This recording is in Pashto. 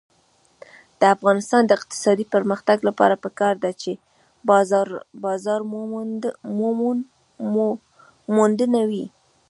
د افغانستان د اقتصادي پرمختګ لپاره پکار ده چې بازارموندنه وي.